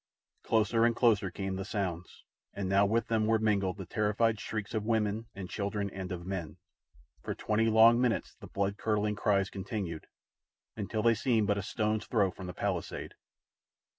Closer and closer came the sounds, and now with them were mingled the terrified shrieks of women and children and of men. For twenty long minutes the blood curdling cries continued, until they seemed but a stone's throw from the palisade.